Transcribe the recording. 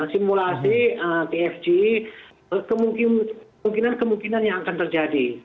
simulasi tfg kemungkinan kemungkinan yang akan terjadi